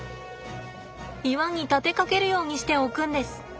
岩に立てかけるようにして置くんです。